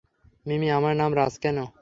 মিমি, আমার নাম রাজ কেন?